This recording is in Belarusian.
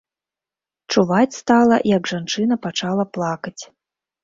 Чуваць стала, як жанчына пачала плакаць.